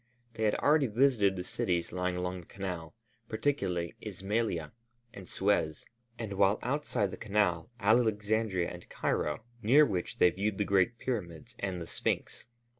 They had already visited the cities lying along the Canal, particularly Ismailia and Suez, and while outside the Canal, Alexandria and Cairo, near which they viewed the great pyramids and the Sphinx.